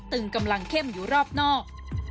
ึงกำลังเข้มอยู่รอบนอก